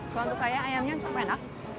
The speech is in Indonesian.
buang tuh kaya ayamnya enak